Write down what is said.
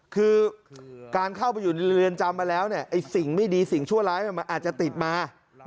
คือการเข้าไปอยู่ในเรือนจำมาแล้วเนี่ยไอ้สิ่งไม่ดีสิ่งชั่วร้ายมันอาจจะติดมา